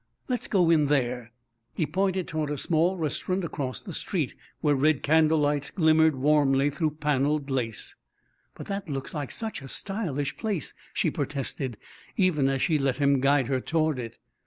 "Let's go in there." He pointed toward a small restaurant across the street where red candlelights glimmered warmly through panelled lace. "But that looks like such a stylish place," she protested, even as she let him guide her toward it.